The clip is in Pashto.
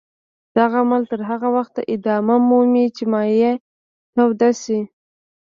دغه عمل تر هغه وخته ادامه مومي چې مایع توده شي.